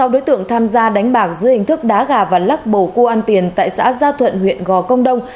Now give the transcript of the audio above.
ba mươi đối tượng tham gia đánh bạc dưới hình thức đá gà và lắc bầu cua ăn tiền tại xã gia thuận huyện gò công đông